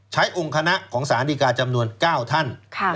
ใช้องค์คณะของศาลอันดีการณ์จำนวน๙ท่าน